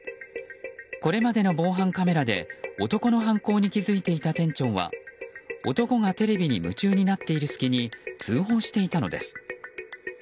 これまでの防犯カメラで男の犯行に気付いていた店長は男がテレビに夢中になっている隙に通報していたのです。